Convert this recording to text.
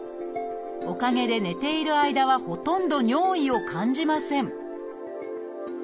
おかげで寝ている間はほとんど尿意を感じません